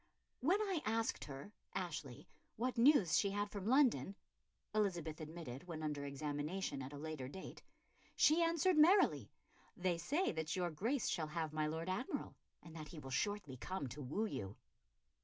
"When I asked her [Ashley] what news she had from London," Elizabeth admitted when under examination at a later date, "she answered merrily 'They say that your Grace shall have my Lord Admiral, and that he will shortly come to woo you.